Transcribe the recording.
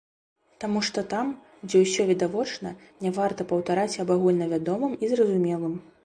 Таму што там, дзе усё відавочна, не варта паўтараць аб агульнавядомым і зразумелым.